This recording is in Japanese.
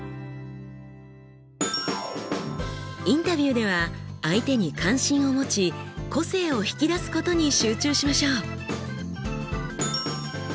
インタビューでは相手に関心を持ち個性を引き出すことに集中しましょう。